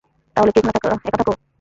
তাহলে কি এখানে একা থাকো?